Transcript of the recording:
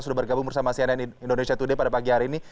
sudah bergabung bersama cnn indonesia today pada pagi hari ini